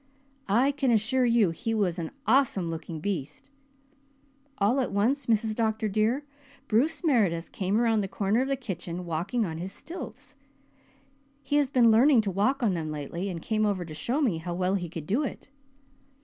I can assure you he was an awesome looking beast. All at once, Mrs. Dr. dear, Bruce Meredith came around the corner of the kitchen walking on his stilts. He has been learning to walk on them lately and came over to show me how well he could do it.